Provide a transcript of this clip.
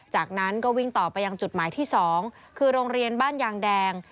จากนั้นก็วิ่งต่อไปยังจุดหมายที่๒คือโรงเรียนบ้านยางแดง